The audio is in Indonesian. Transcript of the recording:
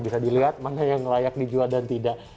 bisa dilihat mana yang layak dijual dan tidak